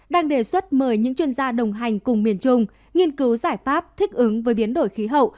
đang đề xuất mời những chuyên gia đồng hành cùng miền trung nghiên cứu giải pháp thích ứng với biến đổi khí hậu